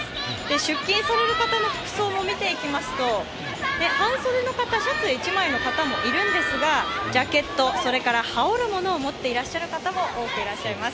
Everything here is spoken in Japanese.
出勤される方の服装も見ていきますと、半袖の方、シャツ１枚の方もいるんですが、ジャケット、羽織るものを持っていらっしゃる方もいます。